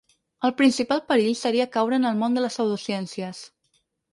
El principal perill seria caure en el món de les pseudociències.